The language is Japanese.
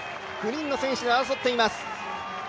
９人の選手で争っています。